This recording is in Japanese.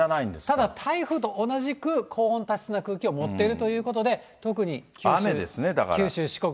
ただ台風と同じく高温多湿な空気を持っているということで、特に九州、四国。